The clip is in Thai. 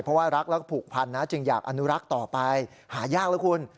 เพราะว่ารักแล้วก็ผูกพันนะจึงอยากอนุรักษ์ต่อไปหายากแล้วคุณ